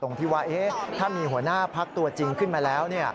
ที่ว่าถ้ามีหัวหน้าพักตัวจริงขึ้นมาแล้ว